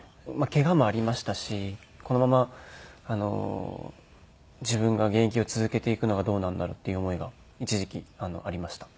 ケガもありましたしこのまま自分が現役を続けていくのはどうなんだろう？っていう思いが一時期ありました。